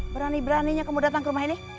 berani beraninya kamu datang ke rumah ini